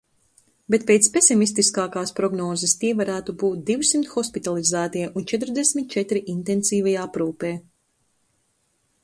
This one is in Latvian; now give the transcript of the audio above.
Bet pēc pesimistiskākās prognozes tie varētu būt divsimt hospitalizētie un četrdesmit četri intensīvajā aprūpē.